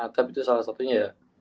tapi itu salah satunya ya